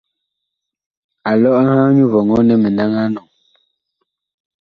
Alɔ a ŋhaa nyu vɔŋɔ nɛ mi naŋɛ a enɔŋ.